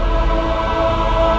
aku tidak tahu diri